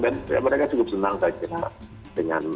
dan mereka cukup senang saya kira